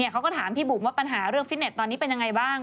เขาก็ถามพี่บุ๋มว่าปัญหาเรื่องฟิตเน็ตตอนนี้เป็นยังไงบ้าง